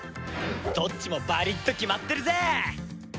どっちもバリっと決まってるぜ！